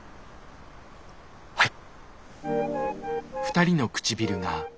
はい。